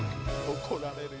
怒られるよ